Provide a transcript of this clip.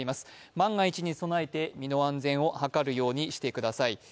万が一に備えて身の安全を図るようにしてください。